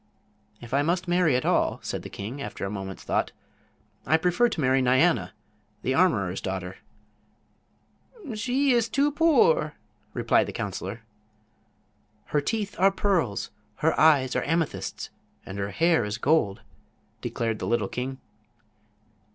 "If I must marry at all," said the king, after a moment's thought, "I prefer to marry Nyana, the armorer's daughter." "She is too poor," replied the counselor. "Her teeth are pearls, her eyes are amethysts, and her hair is gold," declared the little king.